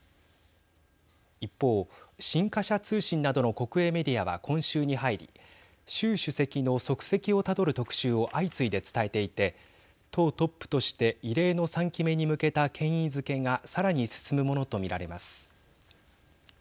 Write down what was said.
一方、新華社通信などの国営メディアは今週に入り習主席の足跡をたどる特集を相次いで伝えていて党トップとして異例の３期目に向けた権威づけがさらに進むものとみられます。